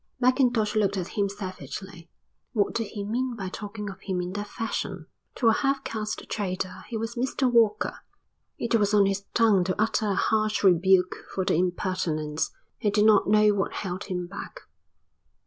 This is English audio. Mackintosh looked at him savagely. What did he mean by talking of him in that fashion? To a half caste trader he was Mr Walker. It was on his tongue to utter a harsh rebuke for the impertinence. He did not know what held him back.